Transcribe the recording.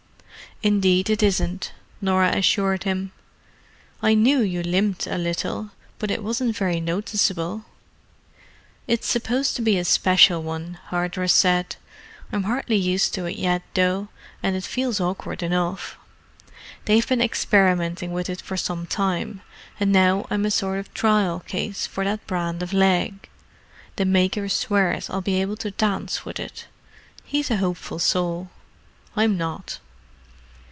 "Indeed it isn't," Norah assured him. "I knew you limped a little—but it wasn't very noticeable." "It's supposed to be a special one," Hardress said. "I'm hardly used to it yet, though, and it feels awkward enough. They've been experimenting with it for some time, and now I'm a sort of trial case for that brand of leg. The maker swears I'll be able to dance with it: he's a hopeful soul. I'm not."